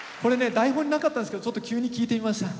台本になかったんですけどちょっと急に聞いてみました。